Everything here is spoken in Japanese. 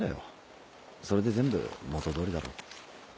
それで全部元どおりだろ。